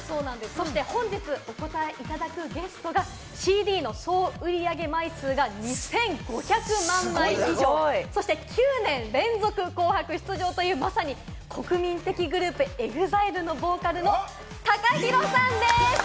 そして本日答えていただくゲストは、ＣＤの総売り上げ枚数が２５００万枚以上、そして９年連続『紅白』出場という、まさに国民的グループ・ＥＸＩＬＥのボーカルのＴＡＫＡＨＩＲＯさんです！